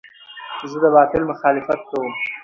زه د باطل مخالفت کوم.